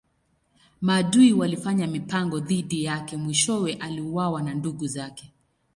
Maadui walifanya mipango dhidi yake mwishowe aliuawa na ndugu zake.